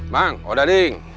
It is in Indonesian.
bang udah ding